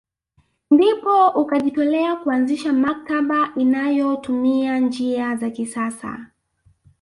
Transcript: Ndipo ukajitolea kuanzisha maktaba inayotumia njia za kisasa